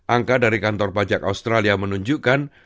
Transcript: angka dari kantor pajak australia menunjukkan